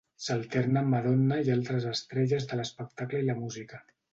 S'alterna amb Madonna i altres estrelles de l'espectacle i la música.